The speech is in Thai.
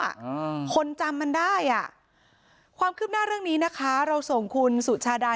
อ่าคนจำมันได้อ่ะความคืบหน้าเรื่องนี้นะคะเราส่งคุณสุชาดา